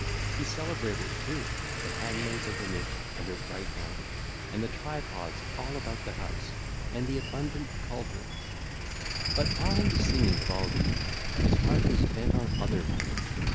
He celebrated, too, the handmaids of the nymph, and her bright home, and the tripods all about the house, and the abundant cauldrons. (ll. 62 67) But while he was singing of all these, his heart was bent on other matters.